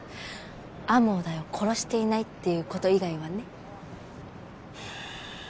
天羽大を殺していないっていう事以外はね。